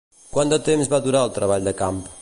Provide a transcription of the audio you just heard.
Quant de temps va durar el treball de camp?